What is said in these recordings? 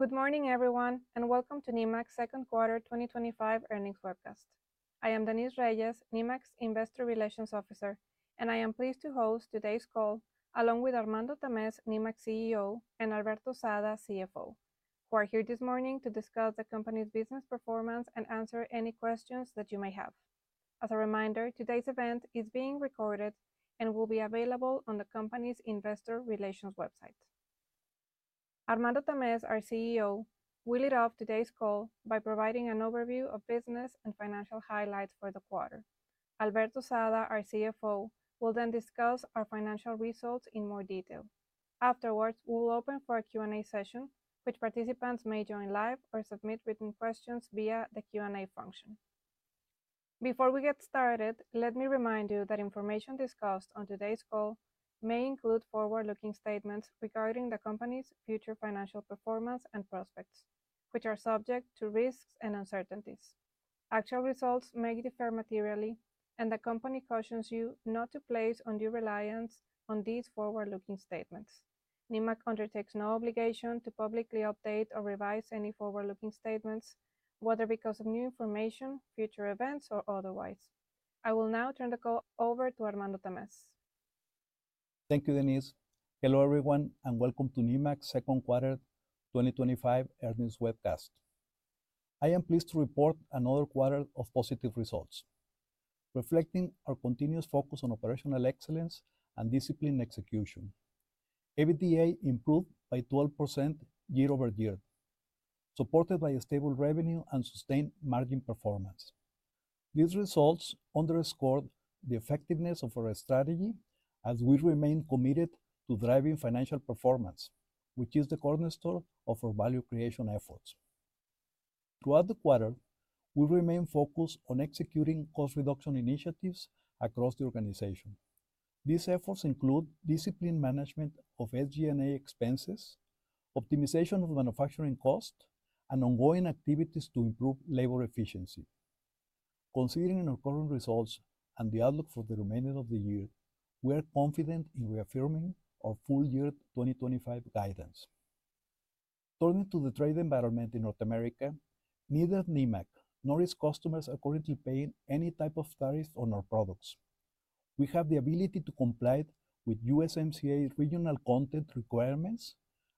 Good morning, everyone, and welcome to Nemak's second quarter 2025 earnings forecast. I am Denise Reyes, Nemak's Investor Relations Officer, and I am pleased to host today's call along with Armando Tamez, Nemak CEO, and Alberto Sada, CFO, who are here this morning to discuss the company's business performance and answer any questions that you may have. As a reminder, today's event is being recorded and will be available on the company's investor relations website. Armando Tamez, our CEO, will lead off today's call by providing an overview of business and financial highlights for the quarter. Alberto Sada, our CFO, will then discuss our financial results in more detail. Afterwards, we will open for a Q&A session, which participants may join live or submit written questions via the Q&A function. Before we get started, let me remind you that information discussed on today's call may include forward-looking statements regarding the company's future financial performance and prospects, which are subject to risks and uncertainties. Actual results may differ materially, and the company cautions you not to place undue reliance on these forward-looking statements. Nemak undertakes no obligation to publicly update or revise any forward-looking statements, whether because of new information, future events, or otherwise. I will now turn the call over to Armando Tamez. Thank you, Denise. Hello everyone, and welcome to Nemak's second quarter 2025 earnings webcast. I am pleased to report another quarter of positive results, reflecting our continuous focus on operational excellence and disciplined execution. EBITDA improved by 12% year-over-year, supported by stable revenue and sustained margin performance. These results underscore the effectiveness of our strategy, as we remain committed to driving financial performance, which is the cornerstone of our value creation efforts. Throughout the quarter, we remain focused on executing cost reduction initiatives across the organization. These efforts include disciplined management of SG&A expenses, optimization of manufacturing costs, and ongoing activities to improve labor efficiency. Considering our current results and the outlook for the remainder of the year, we are confident in reaffirming our full year 2025 guidance. Turning to the trade environment in North America, neither Nemak nor its customers are currently paying any type of tariffs on our products. We have the ability to comply with USMCA regional content requirements,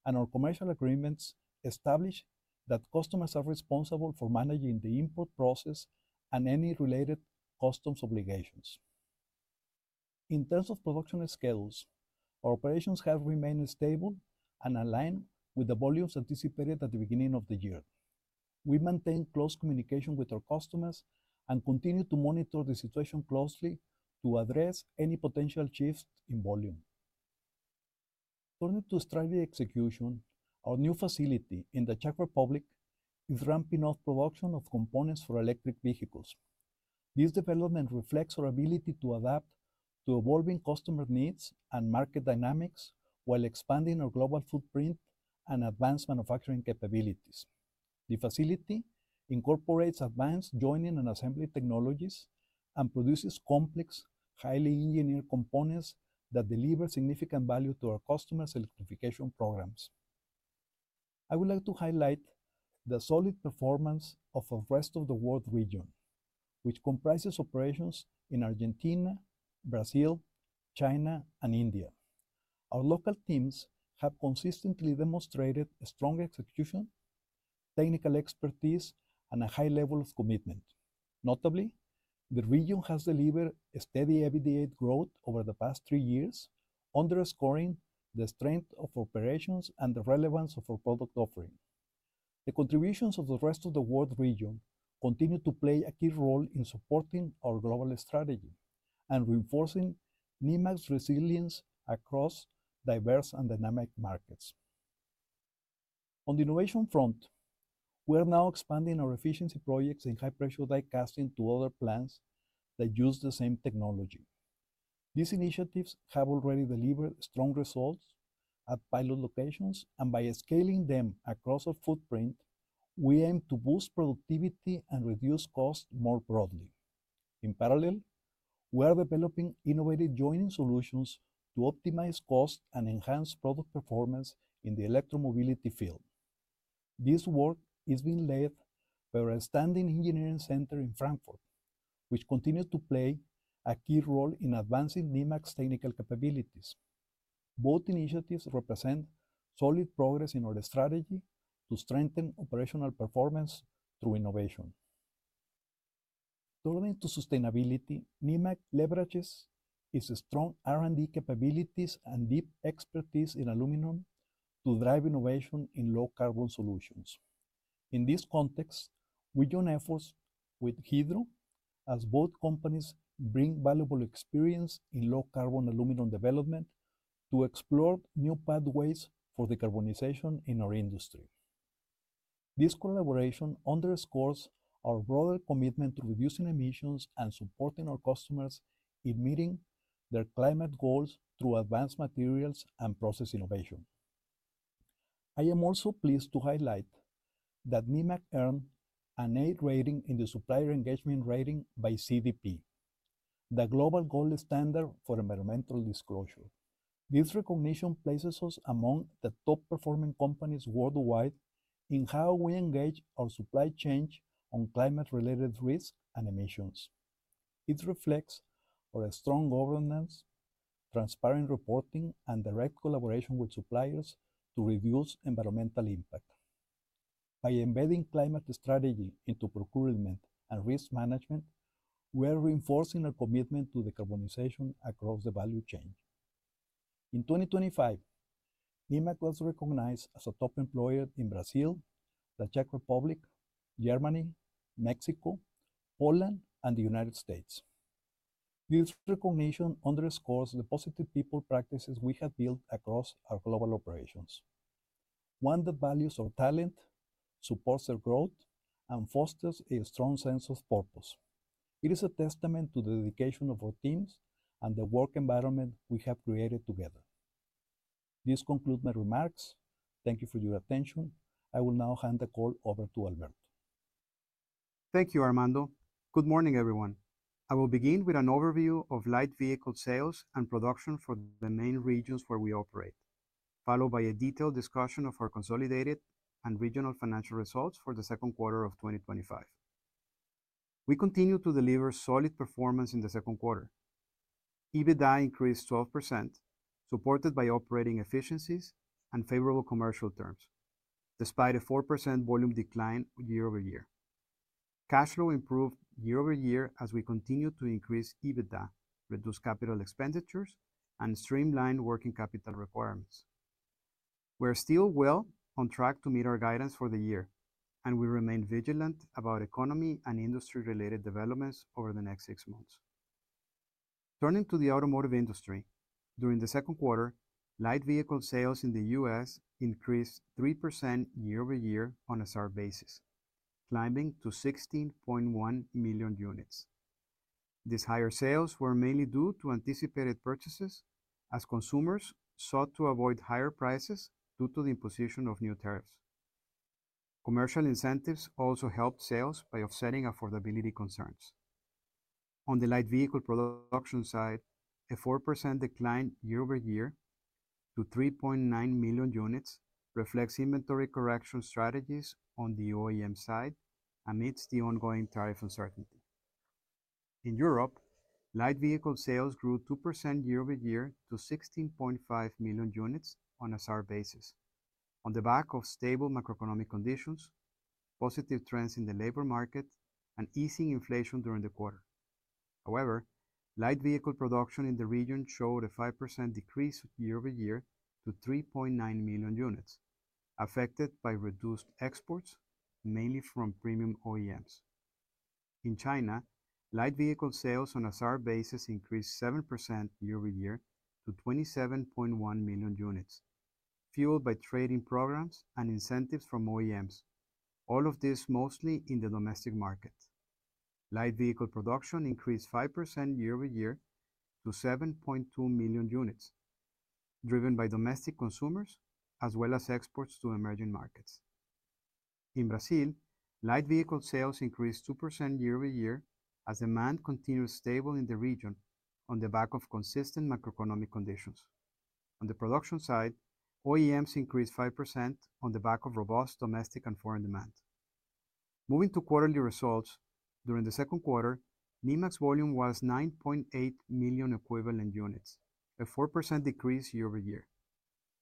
and our commercial agreements establish that customers are responsible for managing the input process and any related customs obligations. In terms of production schedules, our operations have remained stable and aligned with the volumes anticipated at the beginning of the year. We maintain close communication with our customers and continue to monitor the situation closely to address any potential shifts in volume. Turning to strategy execution, our new facility in the Czech Republic is ramping up production of components for electric vehicles. This development reflects our ability to adapt to evolving customer needs and market dynamics while expanding our global footprint and advanced manufacturing capabilities. The facility incorporates advanced joining and assembly technologies and produces complex, highly engineered components that deliver significant value to our customers' electrification programs. I would like to highlight the solid performance of our rest of the world region, which comprises operations in Argentina, Brazil, China, and India. Our local teams have consistently demonstrated strong execution, technical expertise, and a high level of commitment. Notably, the region has delivered steady EBITDA growth over the past three years, underscoring the strength of operations and the relevance of our product offering. The contributions of the rest of the world region continue to play a key role in supporting our global strategy and reinforcing Nemak's resilience across diverse and dynamic markets. On the innovation front, we are now expanding our efficiency projects in high-pressure diecasting to other plants that use the same technology. These initiatives have already delivered strong results at pilot locations, and by scaling them across our footprint, we aim to boost productivity and reduce costs more broadly. In parallel, we are developing innovative joining solutions to optimize costs and enhance product performance in the electromobility field. This work is being led by our outstanding engineering center in Frankfurt, which continues to play a key role in advancing Nemak's technical capabilities. Both initiatives represent solid progress in our strategy to strengthen operational performance through innovation. Turning to sustainability, Nemak leverages its strong R&D capabilities and deep expertise in aluminum to drive innovation in low-carbon solutions. In this context, we join efforts with Hydro, as both companies bring valuable experience in low-carbon aluminum development to explore new pathways for decarbonization in our industry. This collaboration underscores our broader commitment to reducing emissions and supporting our customers in meeting their climate goals through advanced materials and process innovation. I am also pleased to highlight that Nemak earned an A rating in the Supplier Engagement Rating by CDP, the global gold standard for environmental disclosure. This recognition places us among the top performing companies worldwide in how we engage our supply chain on climate-related risks and emissions. It reflects our strong governance, transparent reporting, and direct collaboration with suppliers to reduce environmental impact. By embedding climate strategy into procurement and risk management, we are reinforcing our commitment to decarbonization across the value chain. In 2025, Nemak was recognized as a top employer in Brazil, the Czech Republic, Germany, Mexico, Poland, and the United States. This recognition underscores the positive people practices we have built across our global operations, one that values our talent, supports our growth, and fosters a strong sense of purpose. It is a testament to the dedication of our teams and the work environment we have created together. This concludes my remarks. Thank you for your attention. I will now hand the call over to Alberto. Thank you, Armando. Good morning, everyone. I will begin with an overview of light vehicle sales and production for the main regions where we operate, followed by a detailed discussion of our consolidated and regional financial results for the second quarter of 2025. We continue to deliver solid performance in the second quarter. EBITDA increased 12%, supported by operating efficiencies and favorable commercial terms, despite a 4% volume decline year-over-year. Cash flow improved year-over-year as we continue to increase EBITDA, reduce capital expenditures, and streamline working capital requirements. We are still well on track to meet our guidance for the year, and we remain vigilant about economy and industry-related developments over the next six months. Turning to the automotive industry, during the second quarter, light vehicle sales in the U.S. increased 3% year-over-year on a sharp basis, climbing to 16.1 million units. These higher sales were mainly due to anticipated purchases, as consumers sought to avoid higher prices due to the imposition of new tariffs. Commercial incentives also helped sales by offsetting affordability concerns. On the light vehicle production side, a 4% decline year-over-year to 3.9 million units reflects inventory correction strategies on the OEM side amidst the ongoing tariff uncertainty. In Europe, light vehicle sales grew 2% year-over-year to 16.5 million units on a sharp basis, on the back of stable macroeconomic conditions, positive trends in the labor market, and easing inflation during the quarter. However, light vehicle production in the region showed a 5% decrease year-over-year to 3.9 million units, affected by reduced exports, mainly from premium OEMs. In China, light vehicle sales on a sharp basis increased 7% year-over-year to 27.1 million units, fueled by trading programs and incentives from OEMs, all of this mostly in the domestic market. Light vehicle production increased 5% year-over-year to 7.2 million units, driven by domestic consumers as well as exports to emerging markets. In Brazil, light vehicle sales increased 2% year-over-year as demand continued stable in the region on the back of consistent macroeconomic conditions. On the production side, OEMs increased 5% on the back of robust domestic and foreign demand. Moving to quarterly results, during the second quarter, Nemak's volume was 9.8 million equivalent units, a 4% decrease year-over-year.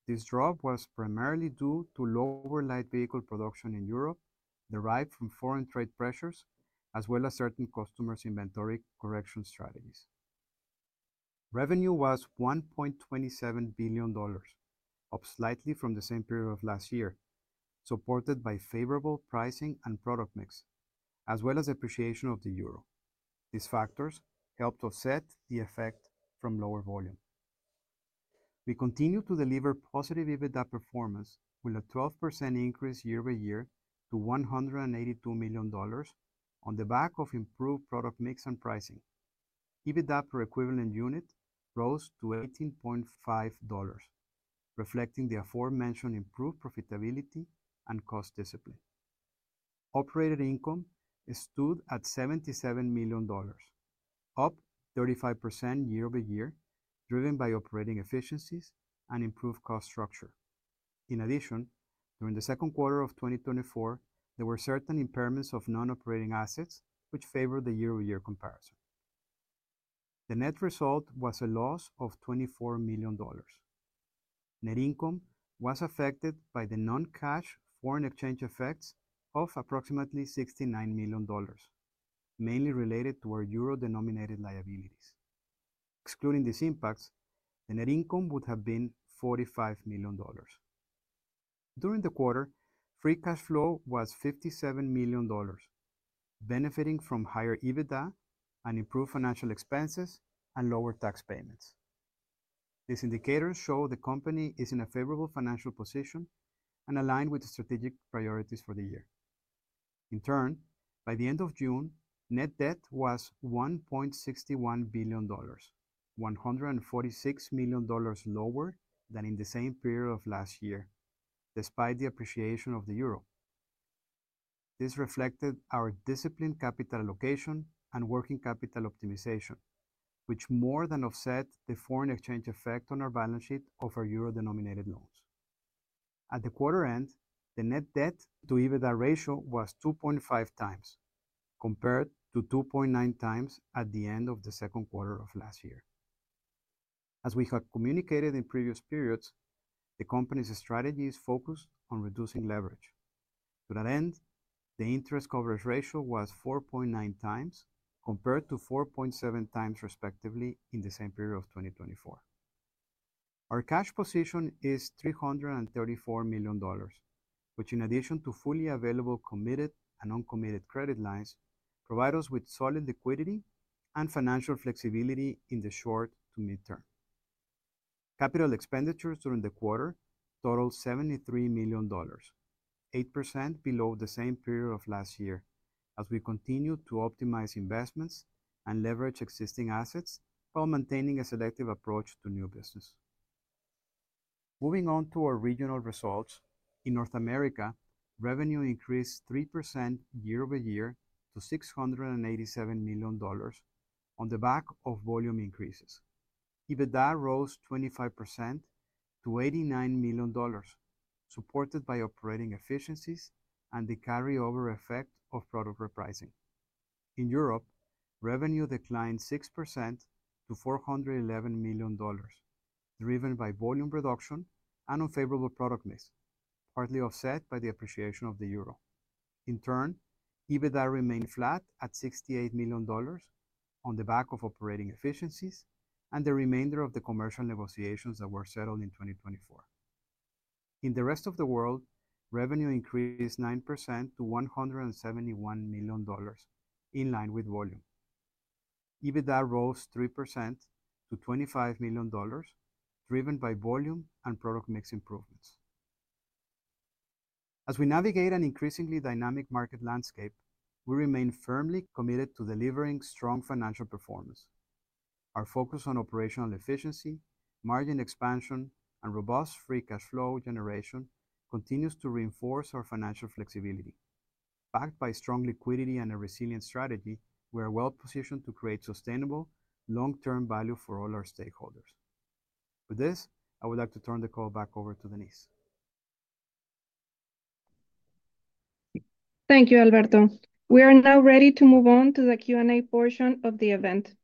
This drop was primarily due to lower light vehicle production in Europe, derived from foreign trade pressures, as well as certain customers' inventory correction strategies. Revenue was $1.27 billion, up slightly from the same period of last year, supported by favorable pricing and product mix, as well as appreciation of the euro. These factors helped offset the effect from lower volume. We continue to deliver positive EBITDA performance with a 12% increase year-over-year to $182 million on the back of improved product mix and pricing. EBITDA per equivalent unit rose to $18.5, reflecting the aforementioned improved profitability and cost discipline. Operator income stood at $77 million, up 35% year-over-year, driven by operating efficiencies and improved cost structure. In addition, during the second quarter of 2024, there were certain impairments of non-operating assets, which favored the year-over-year comparison. The net result was a loss of $24 million. Net income was affected by the non-cash foreign exchange effects of approximately $69 million, mainly related to our euro-denominated liabilities. Excluding these impacts, the net income would have been $45 million. During the quarter, free cash flow was $57 million, benefiting from higher EBITDA and improved financial expenses and lower tax payments. These indicators show the company is in a favorable financial position and aligned with the strategic priorities for the year. In turn, by the end of June, net debt was $1.61 billion, $146 million lower than in the same period of last year, despite the appreciation of the euro. This reflected our disciplined capital allocation and working capital optimization, which more than offset the foreign exchange effect on our balance sheet of our euro-denominated loans. At the quarter end, the net debt to EBITDA ratio was 2.5x, compared to 2.9x at the end of the second quarter of last year. As we have communicated in previous periods, the company's strategies focus on reducing leverage. To that end, the interest coverage ratio was 4.9x, compared to 4.7x, respectively, in the same period of 2024. Our cash position is $334 million, which, in addition to fully available committed and uncommitted credit lines, provides us with solid liquidity and financial flexibility in the short to mid-term. Capital expenditures during the quarter total $73 million, 8% below the same period of last year, as we continue to optimize investments and leverage existing assets while maintaining a selective approach to new business. Moving on to our regional results, in North America, revenue increased 3% year-over-year to $687 million, on the back of volume increases. EBITDA rose 25% to $89 million, supported by operating efficiencies and the carryover effect of product repricing. In Europe, revenue declined 6% to $411 million, driven by volume reduction and unfavorable product mix, partly offset by the appreciation of the euro. In turn, EBITDA remained flat at $68 million, on the back of operating efficiencies and the remainder of the commercial negotiations that were settled in 2024. In the rest of the world, revenue increased 9% to $171 million, in line with volume. EBITDA rose 3% to $25 million, driven by volume and product mix improvements. As we navigate an increasingly dynamic market landscape, we remain firmly committed to delivering strong financial performance. Our focus on operational efficiency, margin expansion, and robust free cash flow generation continues to reinforce our financial flexibility. Backed by strong liquidity and a resilient strategy, we are well positioned to create sustainable, long-term value for all our stakeholders. With this, I would like to turn the call back over to Denise. Thank you, Alberto. We are now ready to move on to the Q&A portion of the event.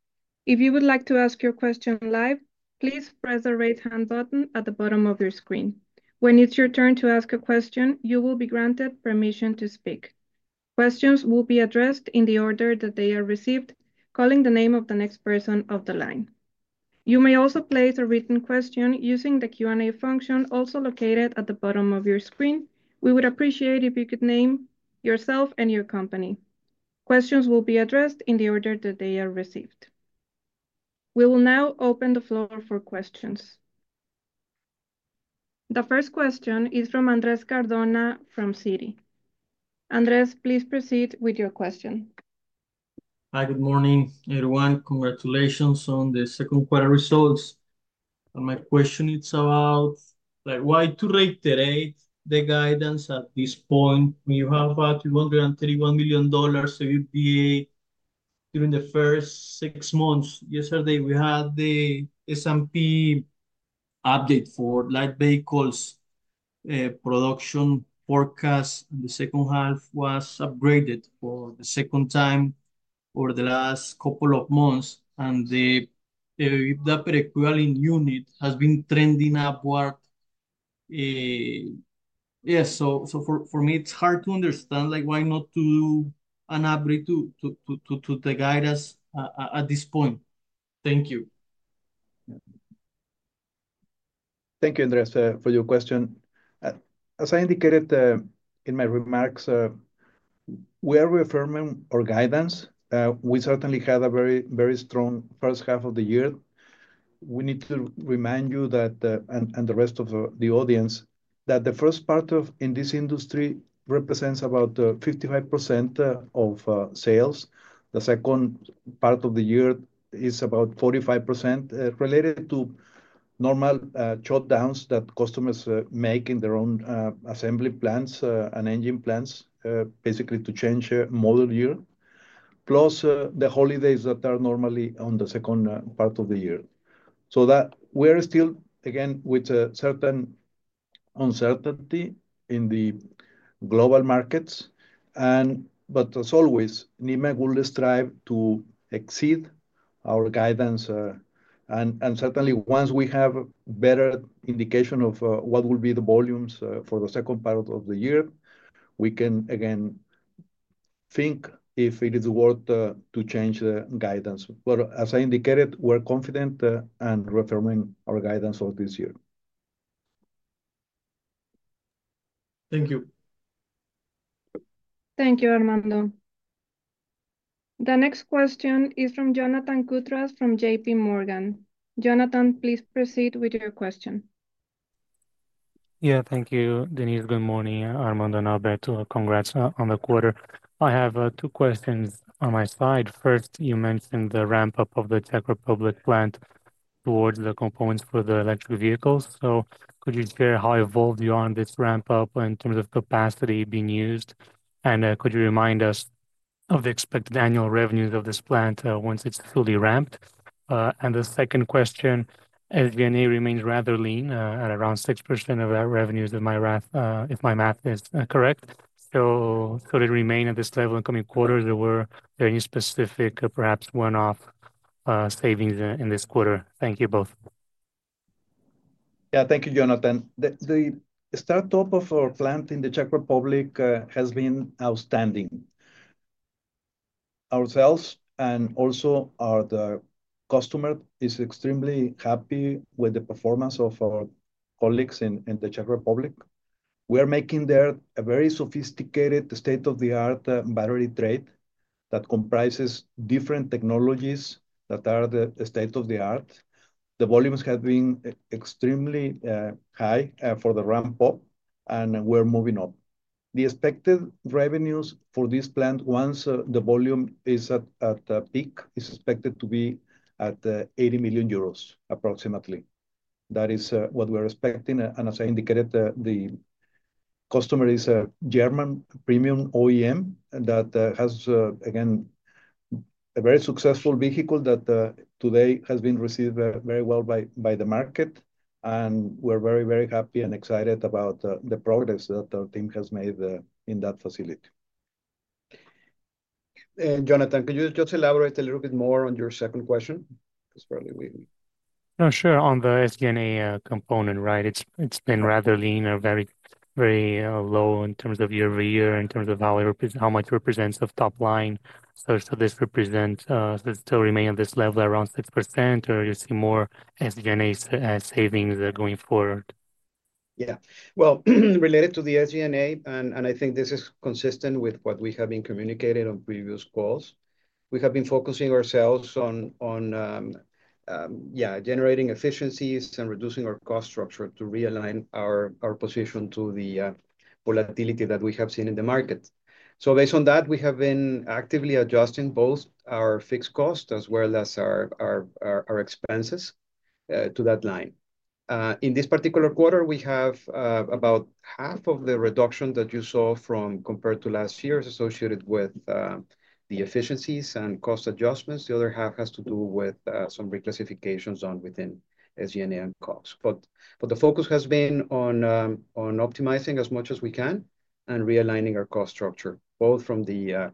If you would like to ask your question live, please press the raise hand button at the bottom of your screen. When it's your turn to ask a question, you will be granted permission to speak. Questions will be addressed in the order that they are received, calling the name of the next person on the line. You may also place a written question using the Q&A function also located at the bottom of your screen. We would appreciate it if you could name yourself and your company. Questions will be addressed in the order that they are received. We will now open the floor for questions. The first question is from Andrés Cardona from Citi. Andrés, please proceed with your question. Hi, good morning, everyone. Congratulations on the second quarter results. My question is about why to reiterate the guidance at this point when you have $231 million EBITDA during the first six months. Yesterday, we had the S&P update for light vehicles production forecast, and the second half was upgraded for the second time over the last couple of months, and the EBITDA per equivalent unit has been trending upward. For me, it's hard to understand why not to do an upgrade to the guidance at this point. Thank you. Thank you, Andrés, for your question. As I indicated in my remarks, we are reaffirming our guidance. We certainly had a very, very strong first half of the year. We need to remind you and the rest of the audience that the first part of this industry represents about 55% of sales. The second part of the year is about 45% related to normal shutdowns that customers make in their own assembly plants and engine plants, basically to change model year, plus the holidays that are normally on the second part of the year. We are still, again, with certain uncertainty in the global markets. As always, Nemak will strive to exceed our guidance. Certainly, once we have a better indication of what will be the volumes for the second part of the year, we can, again, think if it is worth to change the guidance. As I indicated, we're confident and reaffirming our guidance of this year. Thank you. Thank you, Armando. The next question is from Jonathan Koutras from JPMorgan. Jonathan, please proceed with your question. Thank you, Denise. Good morning, Armando and Alberto, congrats on the quarter. I have two questions on my side. First, you mentioned the ramp-up of the Czech Republic plant towards the components for the electric vehicles. Could you share how involved you are in this ramp-up in terms of capacity being used? Could you remind us of the expected annual revenues of this plant once it's fully ramped? The second question is, SG&A remains rather lean at around 6% of revenues, if my math is correct. Will it remain at this level in the coming quarters? Were there any specific, perhaps, one-off savings in this quarter? Thank you both. Yeah, thank you, Jonathan. The startup of our plant in the Czech Republic has been outstanding. Ourselves and also the customer are extremely happy with the performance of our colleagues in the Czech Republic. We are making there a very sophisticated state-of-the-art battery tray that comprises different technologies that are the state of the art. The volumes have been extremely high for the ramp-up, and we're moving up. The expected revenues for this plant, once the volume is at peak, is expected to be at 80 million euros, approximately. That is what we're expecting. As I indicated, the customer is a German premium OEM that has, again, a very successful vehicle that today has been received very well by the market. We're very, very happy and excited about the progress that our team has made in that facility. Jonathan, could you just elaborate a little bit more on your second question? Because probably we. On the SG&A component, right, it's been rather lean or very, very low in terms of year-over-year, in terms of how it represents the top line. Does this represent still remaining at this level around 6%, or do you see more SG&A savings going forward? Related to the SG&A, and I think this is consistent with what we have been communicating on previous calls, we have been focusing ourselves on generating efficiencies and reducing our cost structure to realign our position to the volatility that we have seen in the market. Based on that, we have been actively adjusting both our fixed costs as well as our expenses to that line. In this particular quarter, about half of the reduction that you saw compared to last year is associated with the efficiencies and cost adjustments. The other half has to do with some reclassifications done within SG&A and costs. The focus has been on optimizing as much as we can and realigning our cost structure, both from the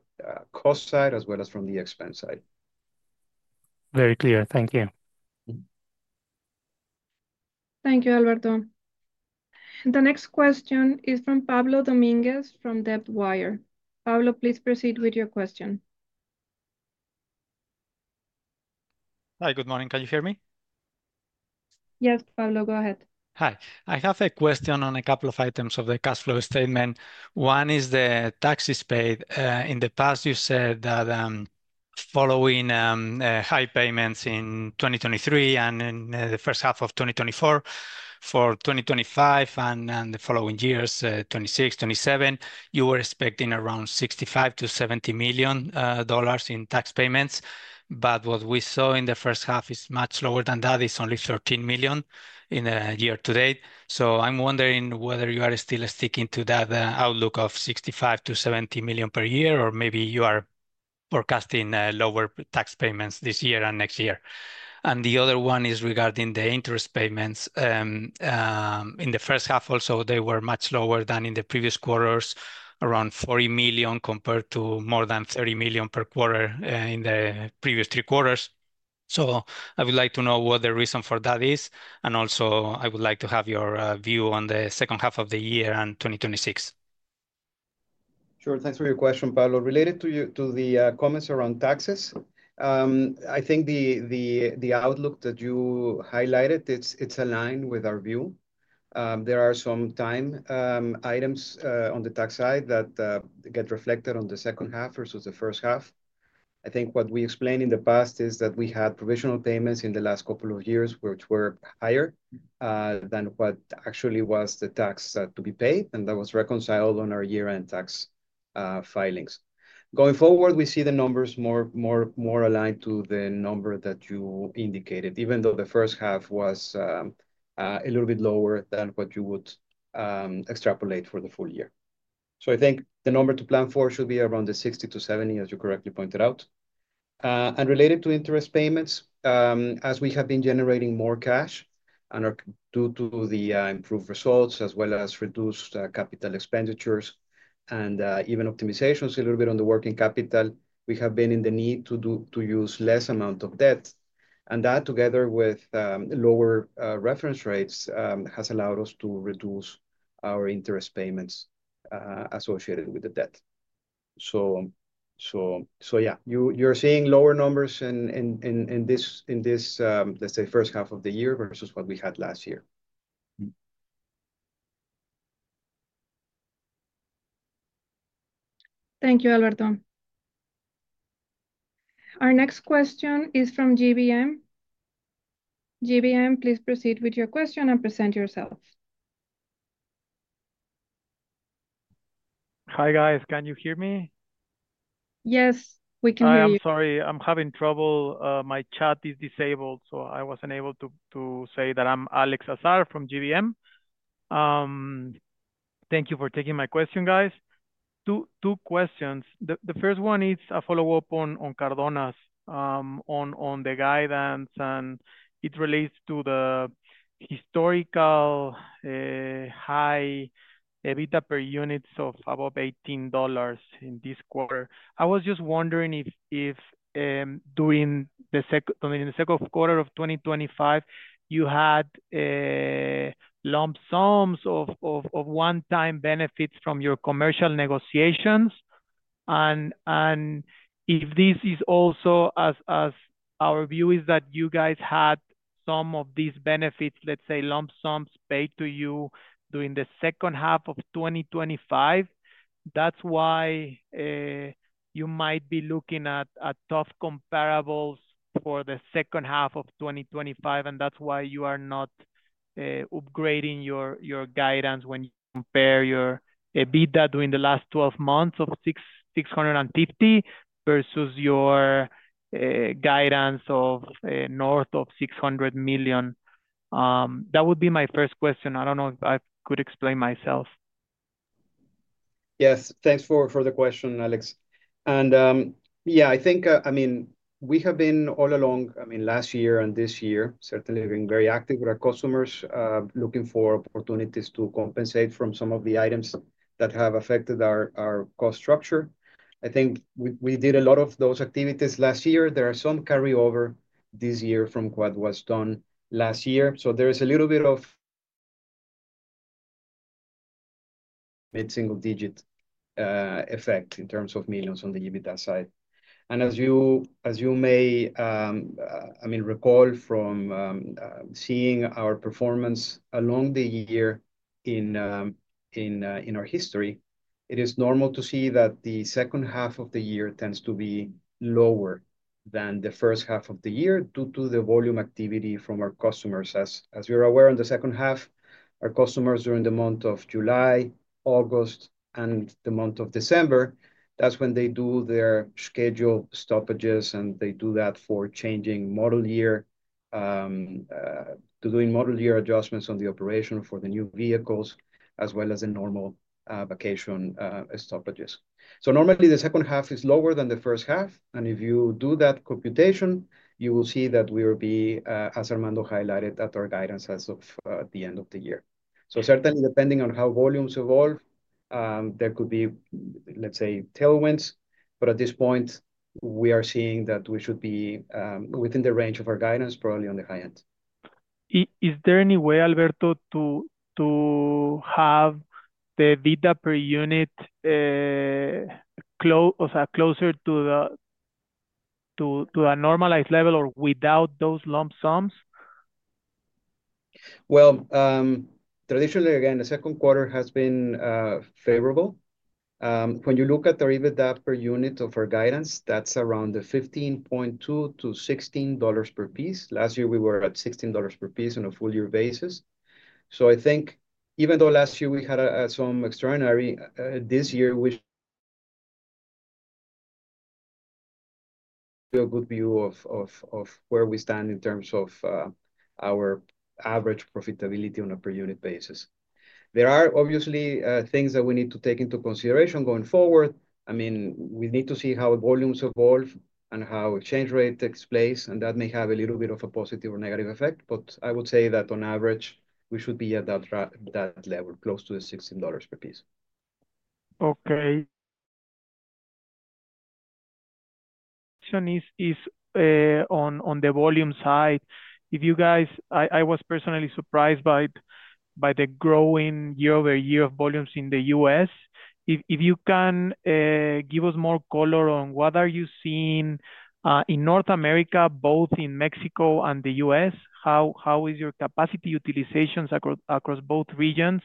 cost side as well as from the expense side. Very clear. Thank you. Thank you, Alberto. The next question is from Pablo Dominguez from Debtwire. Pablo, please proceed with your question. Hi, good morning. Can you hear me? Yes, Pablo, go ahead. Hi. I have a question on a couple of items of the cash flow statement. One is the taxes paid. In the past, you said that following high payments in 2023 and in the first half of 2024, for 2025 and the following years, 2026, 2027, you were expecting around $65 million-$70 million in tax payments. What we saw in the first half is much lower than that. It's only $13 million in the year to date. I'm wondering whether you are still sticking to that outlook of $65 million-$70 million per year, or maybe you are forecasting lower tax payments this year and next year. The other one is regarding the interest payments. In the first half, also, they were much lower than in the previous quarters, around $40 million compared to more than $30 million per quarter in the previous three quarters. I would like to know what the reason for that is. I would also like to have your view on the second half of the year and 2026. Sure. Thanks for your question, Pablo. Related to the comments around taxes, I think the outlook that you highlighted, it's aligned with our view. There are some time items on the tax side that get reflected on the second half versus the first half. I think what we explained in the past is that we had provisional payments in the last couple of years, which were higher than what actually was the tax to be paid, and that was reconciled on our year-end tax filings. Going forward, we see the numbers more aligned to the number that you indicated, even though the first half was a little bit lower than what you would extrapolate for the full year. I think the number to plan for should be around the $60 million-$70 million, as you correctly pointed out. Related to interest payments, as we have been generating more cash and are due to the improved results, as well as reduced capital expenditures and even optimizations a little bit on the working capital, we have been in the need to use less amount of debt. That, together with lower reference rates, has allowed us to reduce our interest payments associated with the debt. Yes, you're seeing lower numbers in this, let's say, first half of the year versus what we had last year. Thank you, Alberto. Our next question is from GBM. GBM, please proceed with your question and present yourself. Hi, guys. Can you hear me? Yes, we can hear you. Sorry, I'm having trouble. My chat is disabled, so I wasn't able to say that I'm Alex Azar from GBM. Thank you for taking my question, guys. Two questions. The first one is a follow-up on Cardona's on the guidance, and it relates to the historical high EBITDA per units of above $18 in this quarter. I was just wondering if during the second quarter of 2025, you had lump sums of one-time benefits from your commercial negotiations. If this is also as our view is that you guys had some of these benefits, let's say lump sums, paid to you during the second half of 2025, that's why you might be looking at tough comparables for the second half of 2025. That's why you are not upgrading your guidance when you compare your EBITDA during the last 12 months of $650 million versus your guidance of north of $600 million. That would be my first question. I don't know if I could explain myself. Yes, thanks for the question, Alex. Yeah, I think, I mean, we have been all along, I mean, last year and this year, certainly been very active with our customers, looking for opportunities to compensate from some of the items that have affected our cost structure. I think we did a lot of those activities last year. There are some carryover this year from what was done last year. There is a little bit of mid-single-digit effect in terms of millions on the EBITDA side. As you may recall from seeing our performance along the year in our history, it is normal to see that the second half of the year tends to be lower than the first half of the year due to the volume activity from our customers. As you're aware, in the second half, our customers during the month of July, August, and the month of December, that's when they do their schedule stoppages, and they do that for changing model year, doing model year adjustments on the operation for the new vehicles, as well as the normal vacation stoppages. Normally, the second half is lower than the first half. If you do that computation, you will see that we will be, as Armando highlighted, at our guidance as of the end of the year. Certainly, depending on how volumes evolve, there could be, let's say, tailwinds. At this point, we are seeing that we should be within the range of our guidance, probably on the high end. Is there any way, Alberto, to have the EBITDA per unit closer to a normalized level or without those lump sums? Traditionally, again, the second quarter has been favorable. When you look at our EBITDA per unit of our guidance, that's around $15.2-$16 per piece. Last year, we were at $16 per piece on a full-year basis. I think even though last year we had some extraordinary, this year we have a good view of where we stand in terms of our average profitability on a per unit basis. There are obviously things that we need to take into consideration going forward. I mean, we need to see how volumes evolve and how exchange rate takes place, and that may have a little bit of a positive or negative effect. I would say that on average, we should be at that level, close to $16 per piece. Okay. The question is on the volume side. If you guys, I was personally surprised by the growing year-over-year volumes in the U.S. If you can give us more color on what are you seeing in North America, both in Mexico and the U.S., how is your capacity utilization across both regions?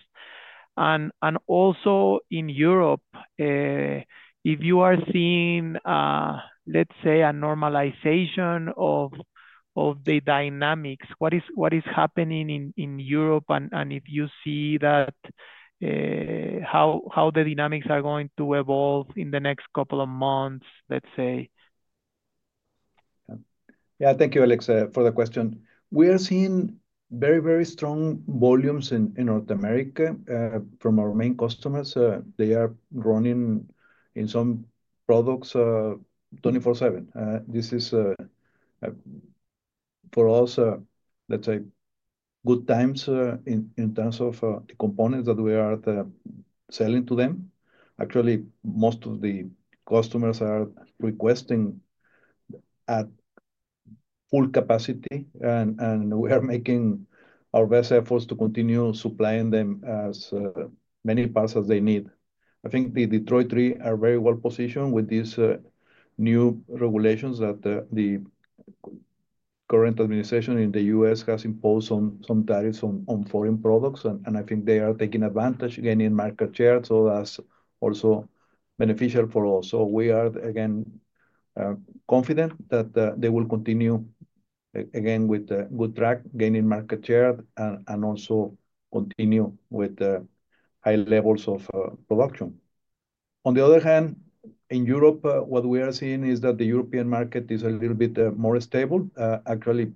Also, in Europe, if you are seeing, let's say, a normalization of the dynamics, what is happening in Europe, and if you see that how the dynamics are going to evolve in the next couple of months, let's say. Thank you, Alex, for the question. We are seeing very, very strong volumes in North America from our main customers. They are running in some products 24/7. This is for us, let's say, good times in terms of the components that we are selling to them. Actually, most of the customers are requesting at full capacity, and we are making our best efforts to continue supplying them as many parts as they need. I think the Detroit three is very well positioned with these new regulations that the current administration in the U.S. has imposed on tariffs on foreign products. I think they are taking advantage, gaining market share, which is also beneficial for us. We are, again, confident that they will continue, again, with a good track, gaining market share, and also continue with high levels of production. On the other hand, in Europe, what we are seeing is that the European market is a little bit more stable. Actually,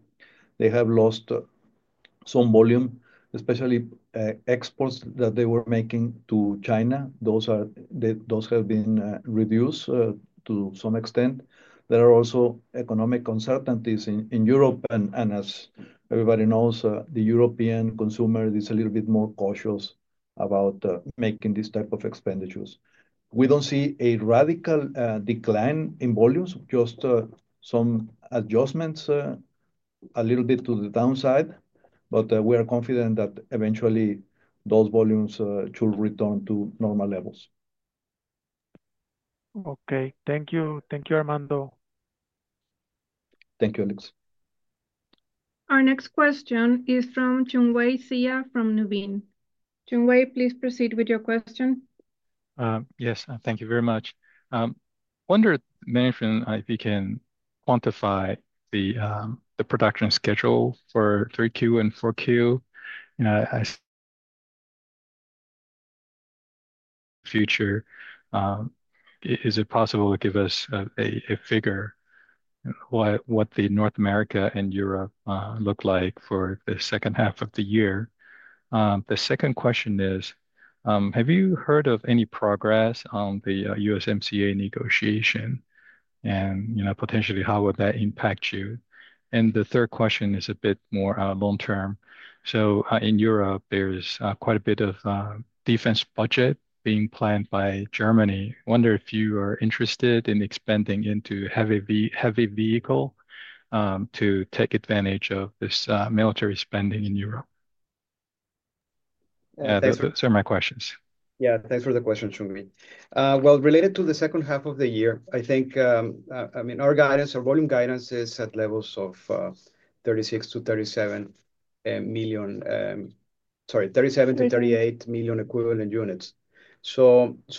they have lost some volume, especially exports that they were making to China. Those have been reduced to some extent. There are also economic uncertainties in Europe, and as everybody knows, the European consumer is a little bit more cautious about making this type of expenditures. We don't see a radical decline in volumes, just some adjustments a little bit to the downside, but we are confident that eventually those volumes should return to normal levels. Okay. Thank you. Thank you, Armando. Thank you, Alex. Our next question is from Chungwei Hsia from Nuveen. Chungwei, please proceed with your question. Yes, thank you very much. I wonder if you can quantify the production schedule for 3Q and 4Q in the future. Is it possible to give us a figure of what the North America and Europe look like for the second half of the year? The second question is, have you heard of any progress on the USMCA negotiation and potentially how would that impact you? The third question is a bit more long-term. In Europe, there's quite a bit of defense budget being planned by Germany. I wonder if you are interested in expanding into heavy vehicle to take advantage of this military spending in Europe. Yeah, those are my questions. Thank you for the question, Chungwei. Related to the second half of the year, our guidance, our volume guidance is at levels of 37 million-38 million equivalent units.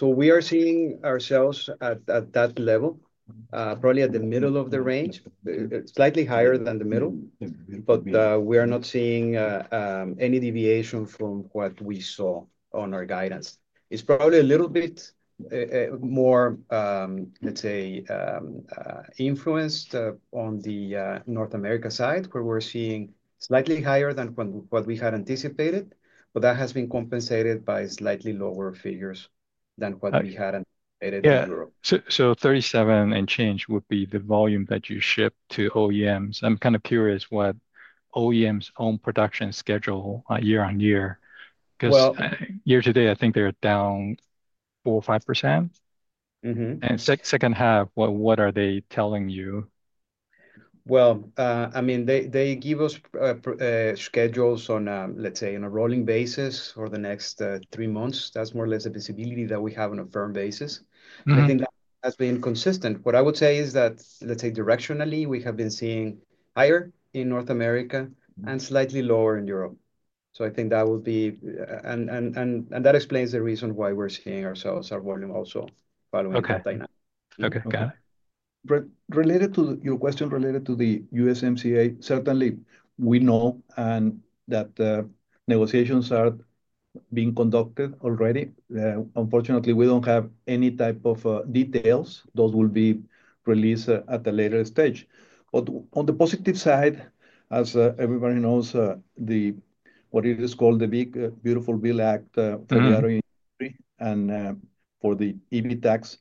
We are seeing ourselves at that level, probably at the middle of the range, slightly higher than the middle, but we are not seeing any deviation from what we saw on our guidance. It's probably a little bit more influenced on the North America side, where we're seeing slightly higher than what we had anticipated, but that has been compensated by slightly lower figures than what we had anticipated in Europe. Thirty-seven and change would be the volume that you ship to OEMs. I'm kind of curious what OEMs' own production schedule year on year, because year to date, I think they're down 4% or 5%. In the second half, what are they telling you? They give us schedules on, let's say, on a rolling basis for the next three months. That's more or less the visibility that we have on a firm basis. I think that has been consistent. What I would say is that, let's say, directionally, we have been seeing higher in North America and slightly lower in Europe. I think that would be, and that explains the reason why we're seeing ourselves our volume also following that dynamic. Okay, got it. Related to your question, related to the USMCA, certainly, we know that the negotiations are being conducted already. Unfortunately, we don't have any type of details. Those will be released at a later stage. On the positive side, as everybody knows, what is called the big beautiful bill act for the auto industry and for the EBIT tax,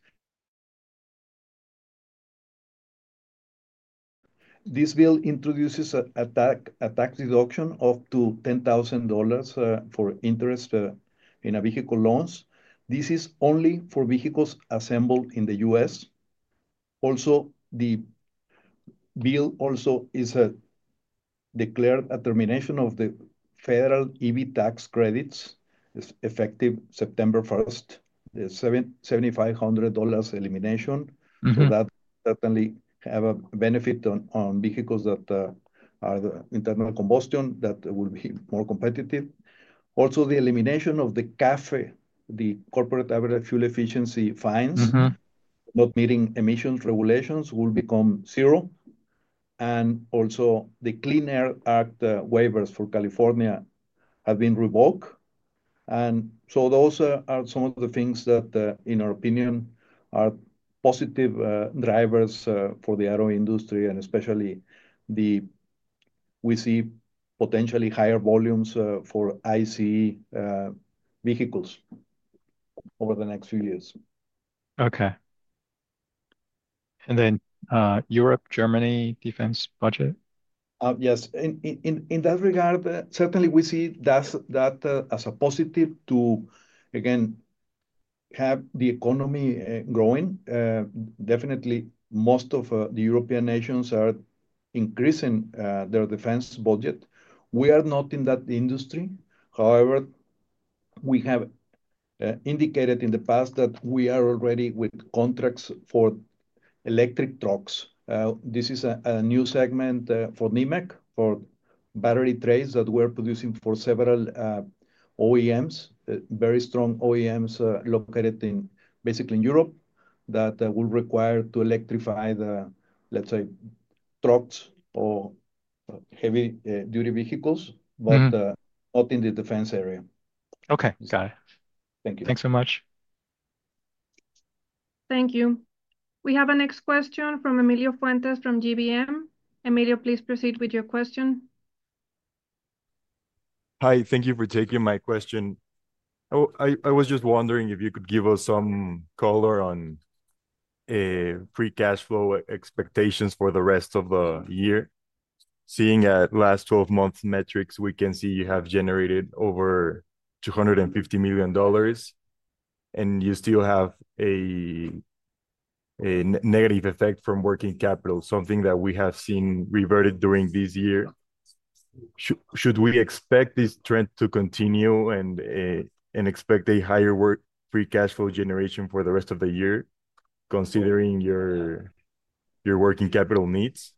this bill introduces a tax deduction of up to $10,000 for interest in vehicle loans. This is only for vehicles assembled in the U.S. The bill also declared a termination of the federal EBIT tax credits effective September 1st, the $7,500 elimination. That certainly has a benefit on vehicles that are internal combustion that will be more competitive. The elimination of the CAFE, the Corporate Average Fuel Efficiency fines, not meeting emissions regulations, will become zero. The Clean Air Act waivers for California have been revoked. Those are some of the things that, in our opinion, are positive drivers for the auto industry, and especially we see potentially higher volumes for ICE vehicles over the next few years. Okay. Europe, Germany defense budget? Yes. In that regard, certainly, we see that as a positive to, again, have the economy growing. Definitely, most of the European nations are increasing their defense budget. We are not in that industry. However, we have indicated in the past that we are already with contracts for electric trucks. This is a new segment for Nemak, for battery trays that we're producing for several OEMs, very strong OEMs located basically in Europe that will require to electrify, let's say, trucks or heavy-duty vehicles, but not in the defense area. Okay, got it. Thank you. Thanks so much. Thank you. We have a next question from Emilio Fuentes from GBM. Emilio, please proceed with your question. Hi, thank you for taking my question. I was just wondering if you could give us some color on free cash flow expectations for the rest of the year. Seeing at last 12-month metrics, we can see you have generated over $250 million, and you still have a negative effect from working capital, something that we have seen reverted during this year. Should we expect this trend to continue and expect a higher free cash flow generation for the rest of the year, considering your working capital needs?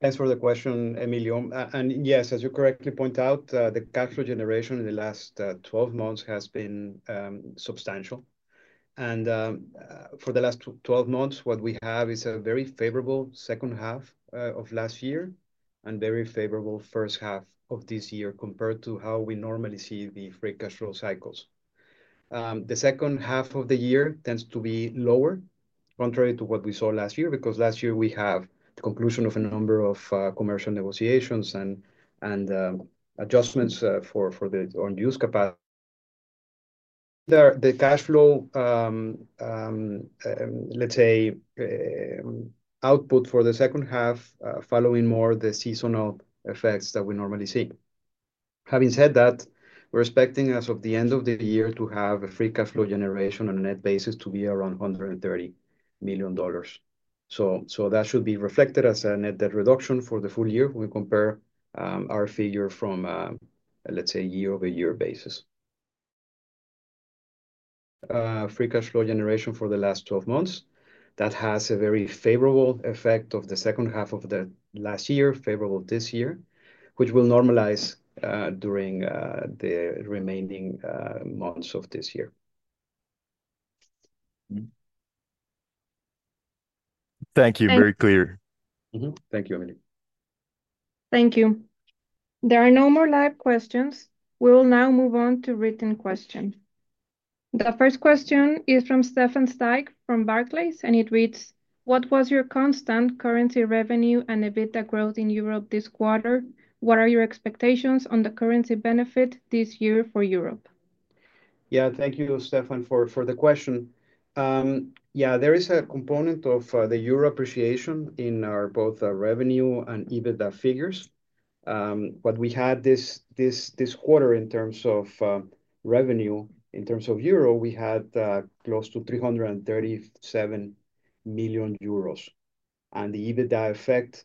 Thanks for the question, Emilio. Yes, as you correctly point out, the cash flow generation in the last 12 months has been substantial. For the last 12 months, what we have is a very favorable second half of last year and a very favorable first half of this year compared to how we normally see the free cash flow cycles. The second half of the year tends to be lower, contrary to what we saw last year, because last year we have the conclusion of a number of commercial negotiations and adjustments for the on-use capacity. The cash flow, let's say, output for the second half, following more the seasonal effects that we normally see. Having said that, we're expecting as of the end of the year to have a free cash flow generation on a net basis to be around $130 million. That should be reflected as a net debt reduction for the full year when we compare our figure from a, let's say, year-over-year basis. Free cash flow generation for the last 12 months, that has a very favorable effect of the second half of the last year, favorable this year, which will normalize during the remaining months of this year. Thank you. Very clear. Thank you, Emilio. Thank you. There are no more live questions. We will now move on to written questions. The first question is from Stefan Styk from Barclays, and it reads, "What was your constant currency revenue and EBITDA growth in Europe this quarter? What are your expectations on the currency benefit this year for Europe? Thank you, Stefan, for the question. There is a component of the euro appreciation in both revenue and EBITDA figures. What we had this quarter in terms of revenue, in terms of euro, we had close to 337 million euros. The EBITDA effect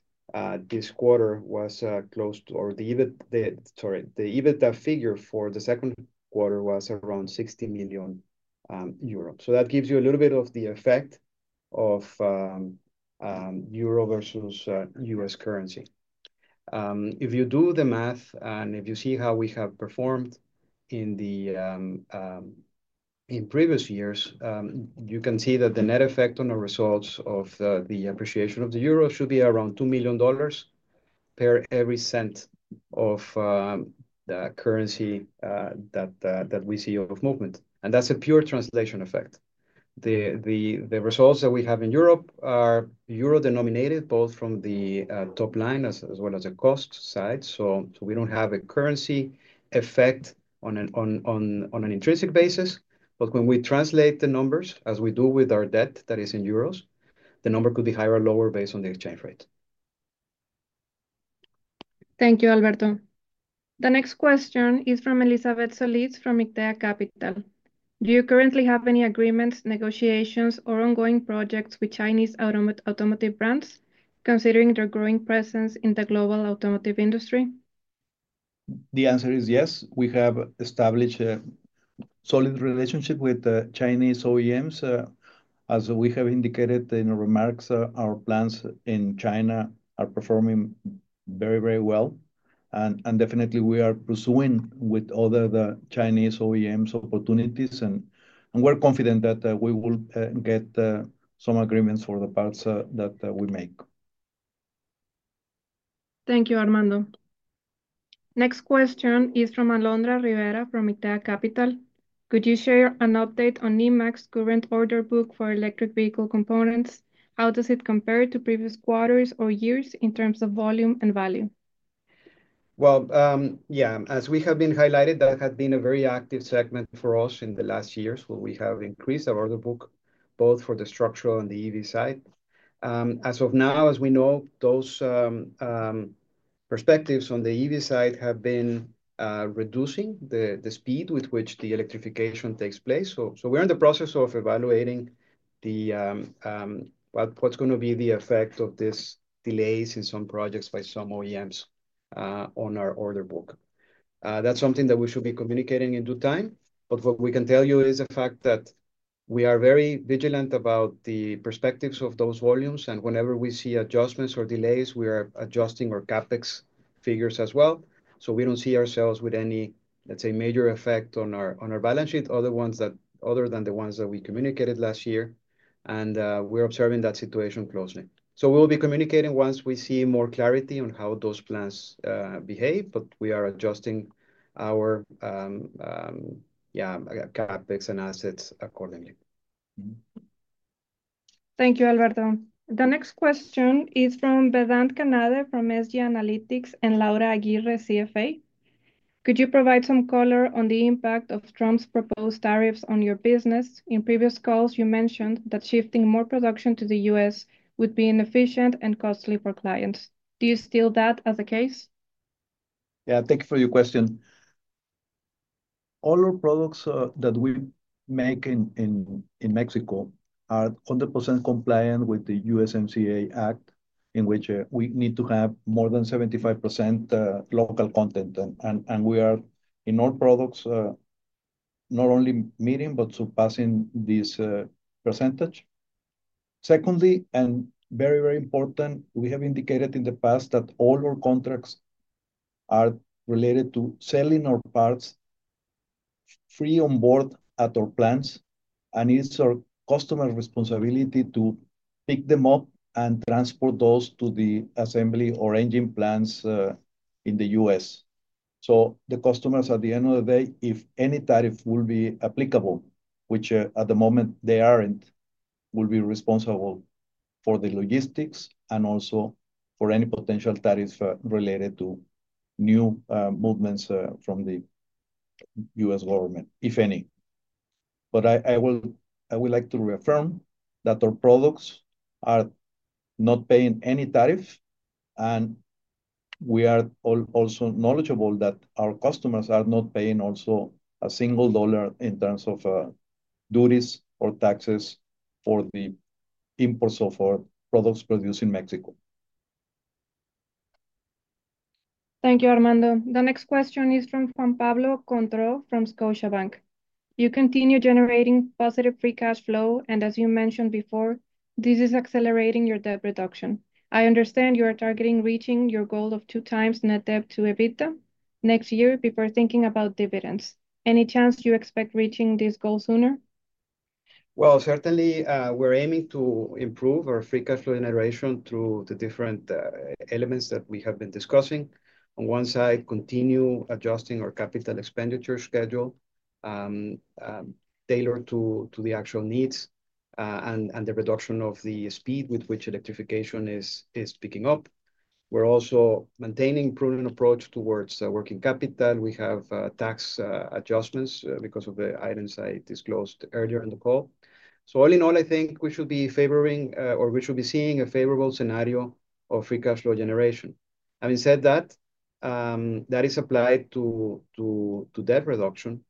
this quarter was close to, or the EBITDA figure for the second quarter was around 60 million euro. That gives you a little bit of the effect of euro versus U.S. currency. If you do the math and if you see how we have performed in previous years, you can see that the net effect on the results of the appreciation of the euro should be around $2 million per every $0.01 of the currency that we see of movement. That's a pure translation effect. The results that we have in Europe are euro-denominated both from the top line as well as the cost side. We don't have a currency effect on an intrinsic basis. When we translate the numbers, as we do with our debt that is in euros, the number could be higher or lower based on the exchange rate. Thank you, Alberto. The next question is from Elizabeth Solis from IKTEA Capital. Do you currently have any agreements, negotiations, or ongoing projects with Chinese automotive brands, considering their growing presence in the global automotive industry? The answer is yes. We have established a solid relationship with Chinese OEMs. As we have indicated in our remarks, our plants in China are performing very, very well. We are definitely pursuing with other Chinese OEMs opportunities, and we're confident that we will get some agreements for the parts that we make. Thank you, Armando. Next question is from Alondra Rivera from IKTEA Capital. Could you share an update on Nemak's current order book for electric vehicle components? How does it compare to previous quarters or years in terms of volume and value? As we have been highlighting, that has been a very active segment for us in the last years where we have increased our order book, both for the structural and the EV side. As of now, as we know, those perspectives on the EV side have been reducing the speed with which the electrification takes place. We are in the process of evaluating what's going to be the effect of these delays in some projects by some OEMs on our order book. That's something that we should be communicating in due time. What we can tell you is the fact that we are very vigilant about the perspectives of those volumes. Whenever we see adjustments or delays, we are adjusting our CapEx figures as well. We don't see ourselves with any, let's say, major effect on our balance sheet, other than the ones that we communicated last year. We are observing that situation closely. We will be communicating once we see more clarity on how those plans behave. We are adjusting our CapEx and assets accordingly. Thank you, Alberto. The next question is from Vedant Kanade from SG Analytics and Laura Aguirre, CFA. Could you provide some color on the impact of Trump's proposed tariffs on your business? In previous calls, you mentioned that shifting more production to the U.S. would be inefficient and costly for clients. Do you still have that as a case? Thank you for your question. All our products that we make in Mexico are 100% compliant with the USMCA, in which we need to have more than 75% local content. We are, in our products, not only meeting but surpassing this percentage. Secondly, and very, very important, we have indicated in the past that all our contracts are related to selling our parts free on board at our plants. It's our customer's responsibility to pick them up and transport those to the assembly or engine plants in the U.S. The customers, at the end of the day, if any tariff will be applicable, which at the moment they aren't, will be responsible for the logistics and also for any potential tariffs related to new movements from the U.S. government, if any. I would like to reaffirm that our products are not paying any tariff. We are also knowledgeable that our customers are not paying also a single dollar in terms of duties or taxes for the imports of our products produced in Mexico. Thank you, Armando. The next question is from Juan Pablo Contró from Scotia Bank. You continue generating positive free cash flow, and as you mentioned before, this is accelerating your debt reduction. I understand you are targeting reaching your goal of 2x net debt to EBITDA next year before thinking about dividends. Any chance you expect reaching this goal sooner? Certainly, we're aiming to improve our free cash flow generation through the different elements that we have been discussing. On one side, we continue adjusting our capital expenditure schedule tailored to the actual needs and the reduction of the speed with which electrification is picking up. We're also maintaining a prudent approach towards working capital. We have tax adjustments because of the items I disclosed earlier in the call. All in all, I think we should be favoring, or we should be seeing a favorable scenario of free cash flow generation. Having said that, that is applied to debt reduction.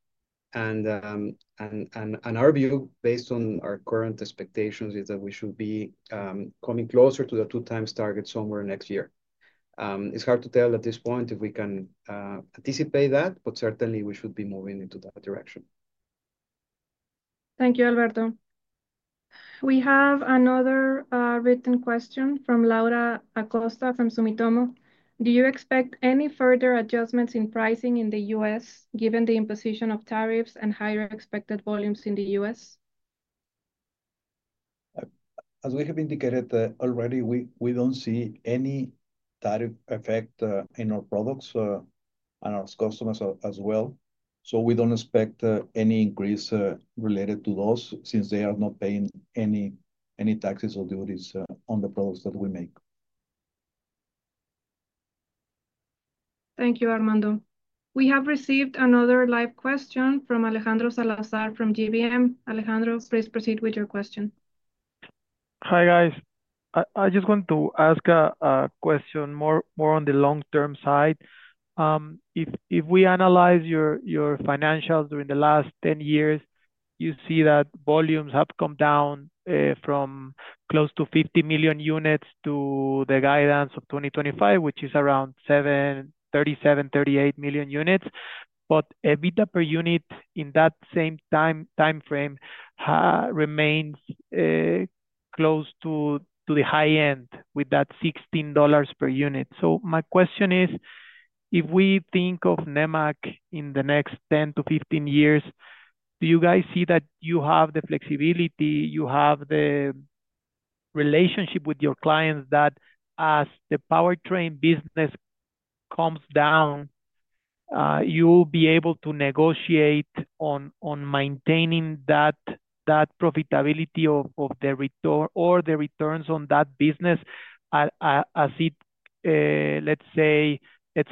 Our view, based on our current expectations, is that we should be coming closer to the 2x target somewhere next year. It's hard to tell at this point if we can anticipate that, but certainly, we should be moving into that direction. Thank you, Alberto. We have another written question from Laura Acosta from Sumitomo. Do you expect any further adjustments in pricing in the U.S., given the imposition of tariffs and higher expected volumes in the U.S.? As we have indicated already, we don't see any tariff effect in our products and our customers as well. We don't expect any increase related to those since they are not paying any taxes or duties on the products that we make. Thank you, Armando. We have received another live question from Alejandro Salazar from GBM. Alejandro, please proceed with your question. Hi, guys. I just want to ask a question more on the long-term side. If we analyze your financials during the last 10 years, you see that volumes have come down from close to 50 million units to the guidance of 2025, which is around 37 million-38 million units. EBITDA per unit in that same time frame remains close to the high end with that $16 per unit. My question is, if we think of Nemak in the next 10-15 years, do you guys see that you have the flexibility, you have the relationship with your clients that as the powertrain business comes down, you'll be able to negotiate on maintaining that profitability of the return or the returns on that business as it, let's say,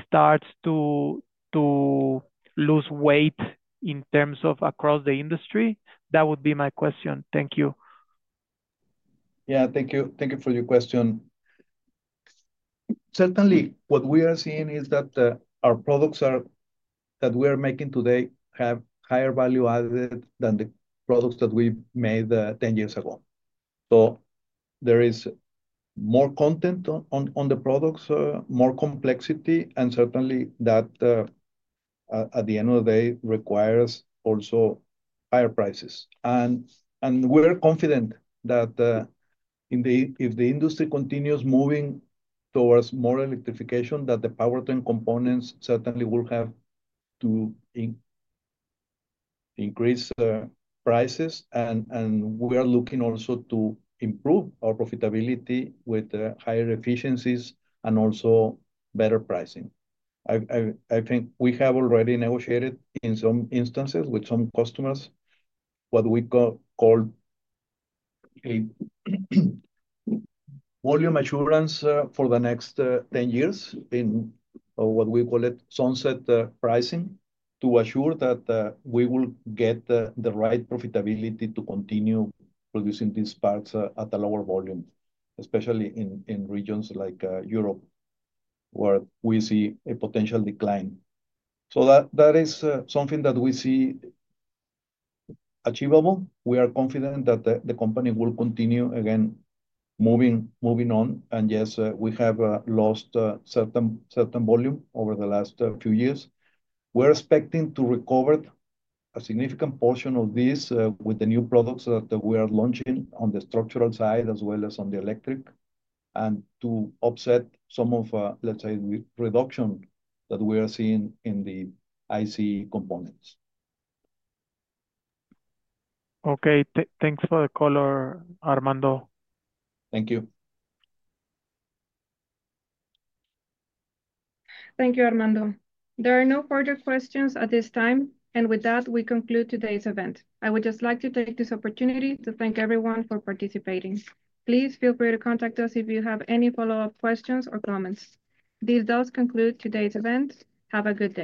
starts to lose weight in terms of across the industry? That would be my question. Thank you. Thank you. Thank you for your question. Certainly, what we are seeing is that our products that we are making today have higher value added than the products that we made 10 years ago. There is more content on the products, more complexity, and certainly that, at the end of the day, requires also higher prices. We're confident that if the industry continues moving towards more electrification, the powertrain components certainly will have to increase prices. We are looking also to improve our profitability with higher efficiencies and also better pricing. I think we have already negotiated in some instances with some customers what we call a volume assurance for the next 10 years in what we call sunset pricing to assure that we will get the right profitability to continue producing these parts at a lower volume, especially in regions like Europe where we see a potential decline. That is something that we see achievable. We are confident that the company will continue, again, moving on. Yes, we have lost certain volume over the last few years. We're expecting to recover a significant portion of this with the new products that we are launching on the structural side as well as on the electric, and to offset some of, let's say, the reduction that we are seeing in the ICE components. Okay, thanks for the color, Armando. Thank you. Thank you, Armando. There are no further questions at this time. With that, we conclude today's event. I would just like to take this opportunity to thank everyone for participating. Please feel free to contact us if you have any follow-up questions or comments. This does conclude today's event. Have a good day.